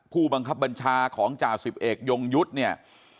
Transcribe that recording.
ผู้บังคับบัญชาของจ่าสิบเอกยงยุทธ์เนี่ย